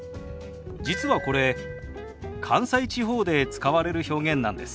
実はこれ関西地方で使われる表現なんです。